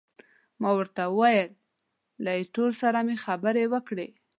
ما ورته وویل، له ایټور سره مې خبرې وکړې.